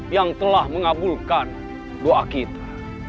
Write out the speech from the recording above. yang telah mengabulkan doa kita